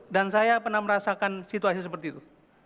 dan saya pernah merasakan situasi seperti itu